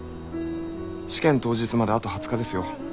試験当日まであと２０日ですよ。